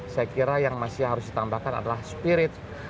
saya kira yang masih harus ditambahkan adalah spirit